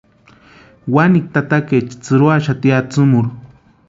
Wanikwa tatakaecha tsʼïruaxati atsïmurhu.